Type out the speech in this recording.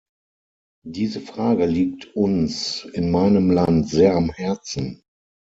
Diese Frage liegt uns in meinem Land sehr am Herzen.